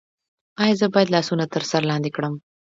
ایا زه باید لاسونه تر سر لاندې کړم؟